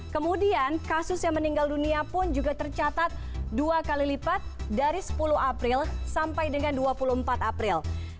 kemudian kasus yang meninggal dunia pun juga tercatat dua kali lipat dari sepuluh april sampai dengan dua puluh empat april